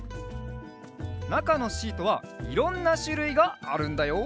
なかのシートはいろんなしゅるいがあるんだよ。